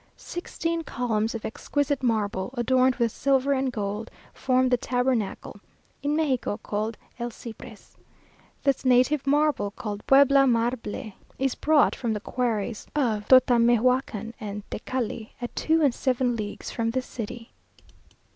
Sixteen columns of exquisite marble, adorned with silver and gold, form the tabernacle (in Mexico called el Cipres). This native marble, called Puebla marble, is brought from the quarries of Totamehuacan and Tecali, at two and seven leagues from the city.